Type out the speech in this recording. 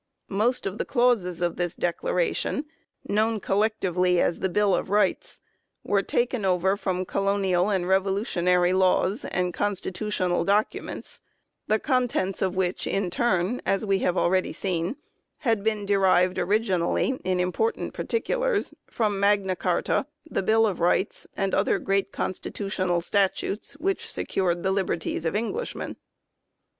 Most of the clauses of this declara tion, known collectively as the Bill of Rights, were 2i 4 THE INFLUENCE OF MAGNA CARTA taken over from colonial and revolutionary laws and constitutional documents, the contents of which, in turn, as we have already seen, had been derived origin ally, in important particulars, from Magna Carta, the Bill of Rights and other great constitutional statutes which secured the liberties of Englishmen.